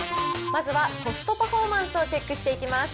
まずはコストパフォーマンスをチェックしていきます。